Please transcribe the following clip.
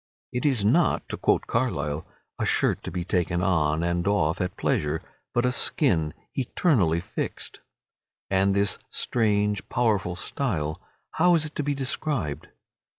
It is not, to quote Carlyle, a shirt to be taken on and off at pleasure, but a skin, eternally fixed. And this strange, powerful style, how is it to be described?